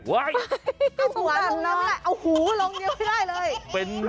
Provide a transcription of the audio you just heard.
เอาหูลงเนียวไม่ได้เลย